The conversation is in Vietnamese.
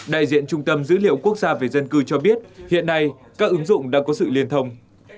đại diện trung tâm dữ liệu quốc gia về dân cư cho biết hiện nay các ứng dụng đã có sự liên thông